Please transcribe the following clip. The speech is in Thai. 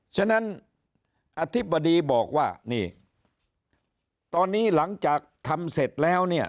ฉะนั้นอธิบดีบอกว่านี่ตอนนี้หลังจากทำเสร็จแล้วเนี่ย